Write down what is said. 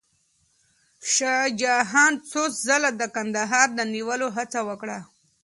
شاه جهان څو ځله د کندهار د نیولو هڅه وکړه.